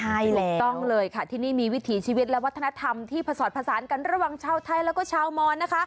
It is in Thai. ใช่แล้วต้องเลยค่ะที่นี่มีวิถีชีวิตและวัฒนธรรมที่ผสอดผสานกันระหว่างชาวไทยแล้วก็ชาวมอนนะคะ